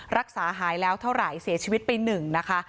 รักษาหายแล้วเท่าไหร่เสียชีวิตไปหนึ่งนะคะ